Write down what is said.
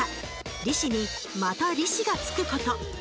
利子にまた利子がつくこと。